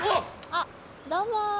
あっどうも。